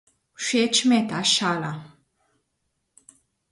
Všeč mi je ta šala.